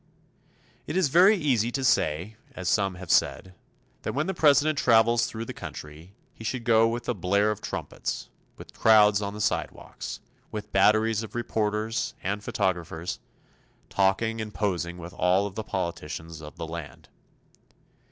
It is very easy to say, as some have said, that when the President travels through the country he should go with a blare of trumpets, with crowds on the sidewalks, with batteries of reporters and photographers talking and posing with all of the politicians of the land.